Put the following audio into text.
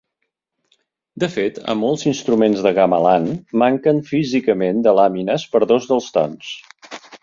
De fet, a molts instruments de gamelan manquen físicament de làmines per dos dels tons.